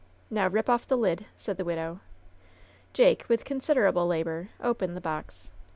'^oW rip off the lid," said the widow. Jake, with considerable labor, opened the box.